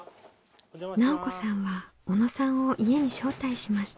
奈緒子さんは小野さんを家に招待しました。